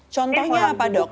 contohnya apa dok